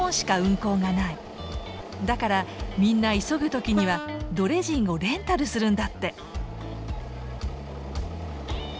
だからみんな急ぐ時にはドレジンをレンタルするんだって。